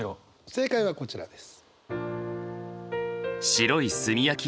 正解はこちらです。